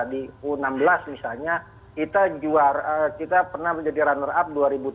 di u enam belas misalnya kita pernah menjadi runner up dua ribu tiga belas